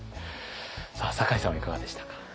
酒井さんはいかがでしたか。